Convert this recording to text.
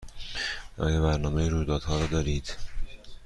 آیا برنامه رویدادها را دارید؟